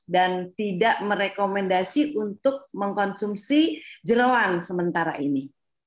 dan tidak merekomendasi untuk mengonsumsi jeruang sementara ini